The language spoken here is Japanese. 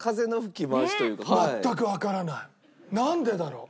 なんでだろう？